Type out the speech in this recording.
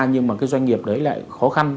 nhưng mà cái doanh nghiệp đấy lại khó khăn